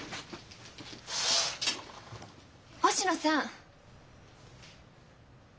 星野さん！